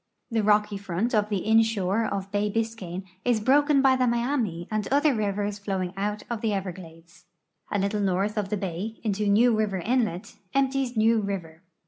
The rocky front of the inshore of bay Biscayne is bi'oken by the Miami and other rivers flowing out of the Everglades. A little north of the bay, into New River inlet, empties New river.